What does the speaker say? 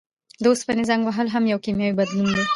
د اوسپنې زنګ وهل هم یو کیمیاوي بدلون دی.